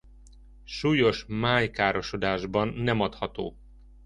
Súlyos májkárosodásban nem adható.